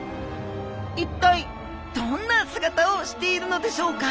一体どんな姿をしているのでしょうか？